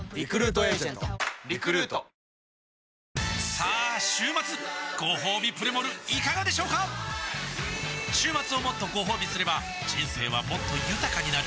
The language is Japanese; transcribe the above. さあ週末ごほうびプレモルいかがでしょうか週末をもっとごほうびすれば人生はもっと豊かになる！